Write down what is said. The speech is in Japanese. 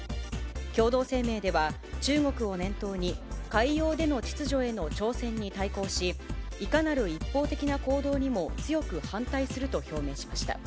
共同声明では、中国を念頭に、海洋での秩序への挑戦に対抗し、いかなる一方的な行動にも強く反対すると表明しました。